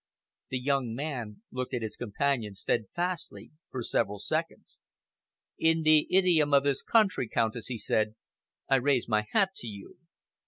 The young man looked at his companion steadfastly for several seconds. "In the idiom of this country, Countess," he said, "I raise my hat to you.